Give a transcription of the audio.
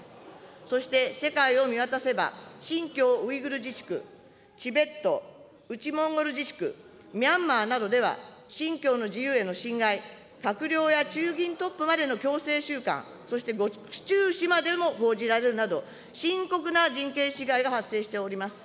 そして世界を見渡せば新疆ウイグル自治区、チベット、内モンゴル自治区、ミャンマーなどでは、信教の自由への侵害、閣僚や中央銀行トップまでの強制収監、そして獄中死までも報じられるなど、深刻な人権侵害が発生しております。